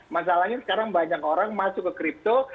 masalahnya sekarang banyak orang masuk ke crypto